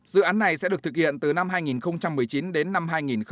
dự án này sẽ được thực hiện từ năm hai nghìn một mươi chín đến năm hai nghìn hai mươi